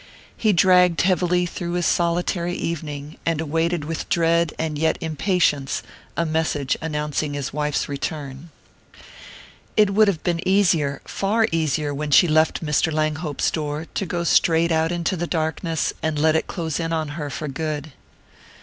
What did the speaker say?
He dragged heavily through his solitary evening, and awaited with dread and yet impatience a message announcing his wife's return. It would have been easier far easier when she left Mr. Langhope's door, to go straight out into the darkness and let it close in on her for good.